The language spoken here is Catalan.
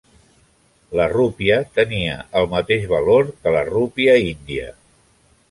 La rúpia tenia el mateix valor que la rúpia índia.